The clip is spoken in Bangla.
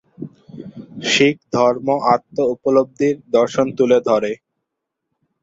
শিখধর্ম আত্ম-উপলব্ধির দর্শন তুলে ধরে।